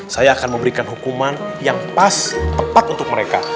saya akan memberikan hukuman yang pas tepat untuk mereka